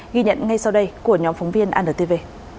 ghi nhận ngay sau đây của nhóm phóng viên antv